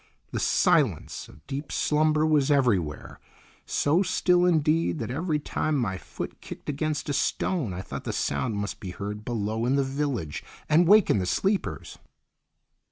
The silence of deep slumber was everywhere; so still, indeed, that every time my foot kicked against a stone I thought the sound must be heard below in the village and waken the sleepers.